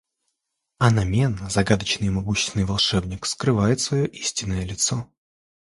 Аномен, загадочный и могущественный волшебник, скрывает свое истинное лицо.